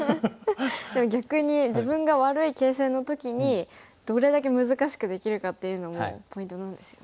でも逆に自分が悪い形勢の時にどれだけ難しくできるかっていうのもポイントなんですよね。